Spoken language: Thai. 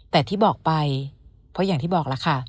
แต่ที่บอกไปเพราะอย่างที่บอกแล้วค่ะ